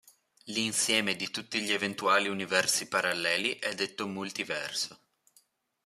L'insieme di tutti gli eventuali universi paralleli è detto multiverso.